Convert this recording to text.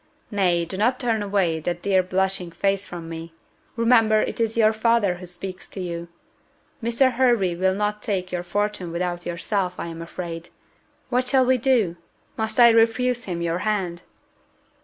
Nay, do not turn away that dear blushing face from me; remember it is your father who speaks to you. Mr. Hervey will not take your fortune without yourself, I am afraid: what shall we do? Must I refuse him your hand?"